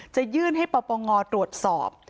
จะยื่นให้ประปังงอตรวจสอบ